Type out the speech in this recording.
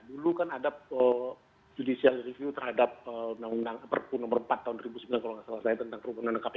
dulu kan ada judicial review terhadap undang undang perpu nomor empat tahun dua ribu sembilan kalau nggak salah saya tentang kerumunan kpk